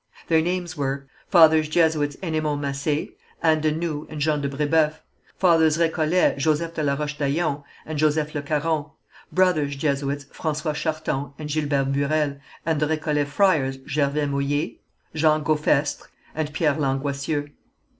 Their names were: Fathers Jesuits Enemond Massé, Anne de Noüe and Jean de Brébeuf, Fathers Récollets Joseph de la Roche d'Aillon, and Joseph Le Caron, Brothers Jesuits François Charton and Gilbert Burel, and the Récollet Friars Gervais Mohier, Jean Gaufestre and Pierre Langoissieux.